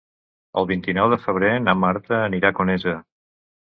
El vint-i-nou de febrer na Marta anirà a Conesa.